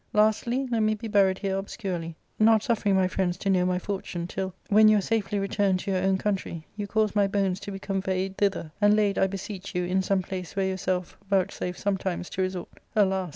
Lastly, let me be buried here ob scurely, not suffering my friends, to know my fortune, till, when you are safely returned to your own country, you cause my bones to be conveyed thither, and laid, I beseech you, in some place where yourself vouchsafe sometimes to resort.' Alas